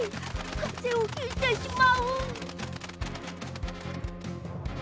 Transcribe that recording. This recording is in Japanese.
かぜをひいてしまう！